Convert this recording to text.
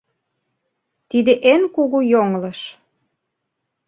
Тиде эн кугу йоҥылыш.